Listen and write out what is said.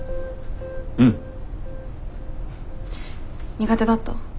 苦手だった？